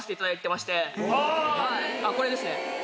これですね。